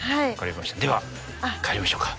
では帰りましょうか。